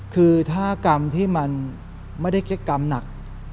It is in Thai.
คือถ้ากรรมที่มันไม่ได้แค่กรรมหนัก